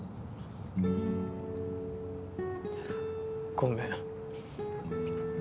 ごめん。